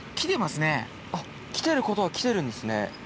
あっ来てることは来てるんですね。